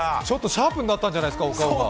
ちょっとシャープになったんじゃないですか？